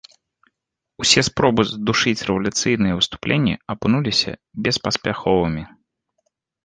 Усе спробы здушыць рэвалюцыйныя выступленні апынуліся беспаспяховымі.